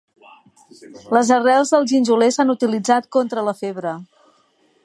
Les arrels del ginjoler s'han utilitzat contra la febre.